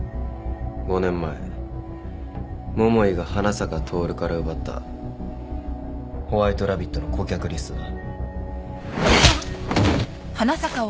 ５年前桃井が花坂トオルから奪ったホワイトラビットの顧客リストだ。